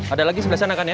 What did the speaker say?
ada lagi sebelah sana kan ya